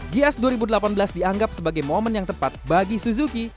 gias dua ribu delapan belas dianggap sebagai momen yang tepat bagi suzuki